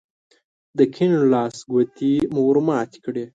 د کيڼ لاس ګوتې مو ور ماتې کړې.